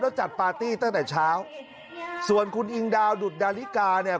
แล้วจัดปาร์ตี้ตั้งแต่เช้าส่วนคุณอิงดาวดุดดาลิกาเนี่ย